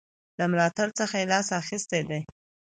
د ملاتړ څخه لاس اخیستی دی.